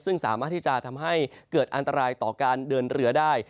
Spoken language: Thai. ซึ่งสามารถที่จะทำให้เกิดอันตรายต่อการเดินเรือได้